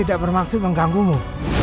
aku akan menangkapmu